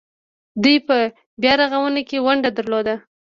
دوی په بیارغونه کې ونډه درلوده.